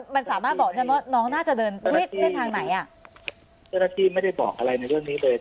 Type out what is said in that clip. มันสามารถบอกได้ว่าน้องน่าจะเดินด้วยเส้นทางไหนอ่ะเจ้าหน้าที่ไม่ได้บอกอะไรในเรื่องนี้เลย